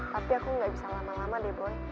tapi aku nggak bisa lama lama deh boy